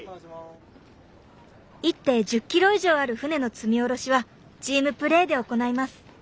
１艇１０ｋｇ以上ある船の積み降ろしはチームプレーで行います。